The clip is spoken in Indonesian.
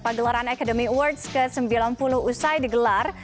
pagelaran academy awards ke sembilan puluh usai digelar